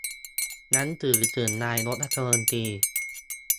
หนังสือถึงนายกรัฐมนตรี